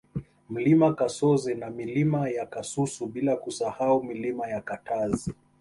Mlima Kasoze na Milima ya Kasusu bila kusahau Milima ya Katazi